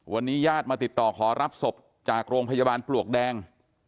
วันนี้ญาติมาติดต่อขอรับศพจากโรงพยาบาลปลวกแดง